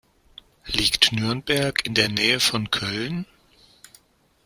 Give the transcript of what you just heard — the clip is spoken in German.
Liegt Nürnberg in der Nähe von Köln?